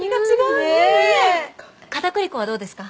片栗粉はどうですか？